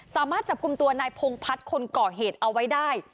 สามารถจับกลุ่มตัวนายพงพัฒน์คนก่อเหตุเอาไว้ได้